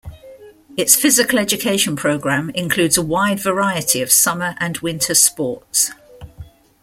Its physical education program includes a wide variety of summer and winter sports.